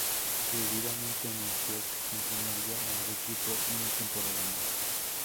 Seguidamente anunció que continuaría en el equipo una temporada más.